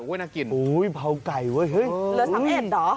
โอ้โฮน่ากินโอ้โฮเผาไก่เว้ยเฮ้ยเหลือสามเอ็ดเหรอ